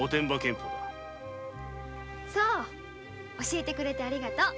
教えてくれてありがとう。